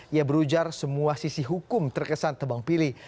ia berujar semua sisi hukum terkesan tebang pilih